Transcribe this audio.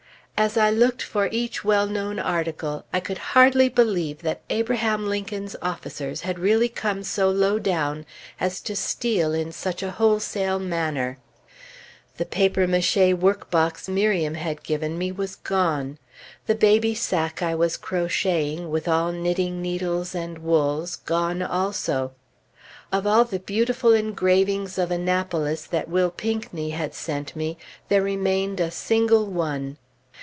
As I looked for each well known article, I could hardly believe that Abraham Lincoln's officers had really come so low down as to steal in such a wholesale manner. The papier maché workbox Miriam had given me was gone. The baby sacque I was crocheting, with all knitting needles and wools, gone also. Of all the beautiful engravings of Annapolis that Will Pinckney had sent me, there remained a single one.